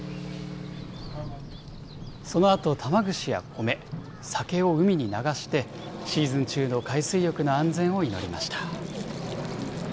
そのあと、玉串や米、酒を海に流して、シーズン中の海水浴の安全を祈りました。